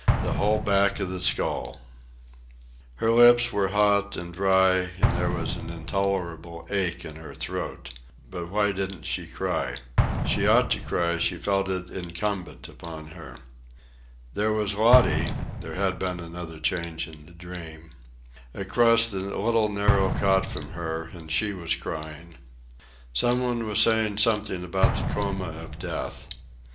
"The whole back of the skull." Her lips were hot and dry, and there was an intolerable ache in her throat. But why didn't she cry? She ought to cry; she felt it incumbent upon her. There was Lottie (there had been another change in the dream), across the little narrow cot from her, and she was crying. Somebody was saying something about the coma of death.